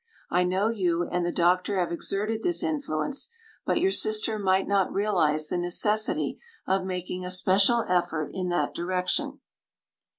I know you and the doctor have exerted this influence, but your sister might not realize the necessity of making a special effort in that direction.